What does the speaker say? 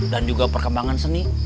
dan juga perkembangan seni